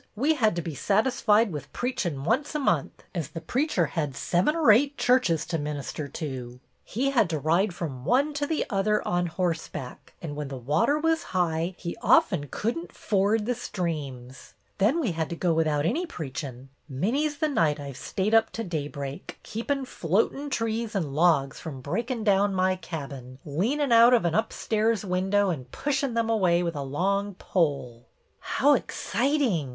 We had to be sat isfied with preachin' once a month, as the preacher had seven or eight churches to minister to. He had to ride from one to the other on horseback, and, when the water was high, he often could n't ford the streams. Then we had to go without any preachin'. Many 's the night I 've stayed up to daybreak, keepin' floatin' trees and logs from breakin' JANE'S "SEED PICTER" 191 down my cabin, leanin' out of an upstairs window and pushin' them away with a long pole." " I low exciting